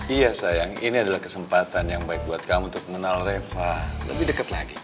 iya sayang ini adalah kesempatan yang baik buat kamu untuk mengenal reva lebih dekat lagi